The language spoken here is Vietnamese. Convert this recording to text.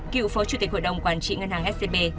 cựu phố chủ tịch hội đồng quản trị ngân hàng scp